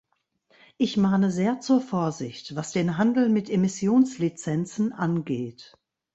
Ich mahne sehr zur Vorsicht, was den Handel mit Emissionslizenzen angeht.